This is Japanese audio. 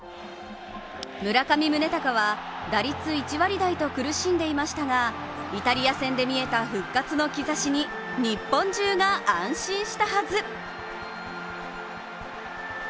村上宗隆は打率１割台と苦しんでいましたがイタリア戦で見えた復活の兆しに日本中が安心したはず。